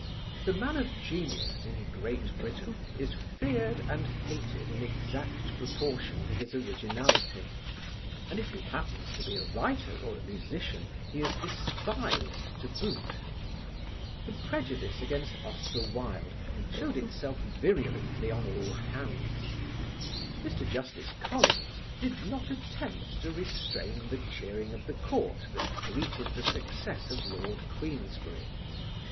The man of genius in Great Britain is feared and hated in exact proportion to his originality, and if he happens to be a writer or a musician he is despised to boot. The prejudice against Oscar Wilde showed itself virulently on all hands. Mr. Justice Collins did not attempt to restrain the cheering of the court that greeted the success of Lord Queensberry.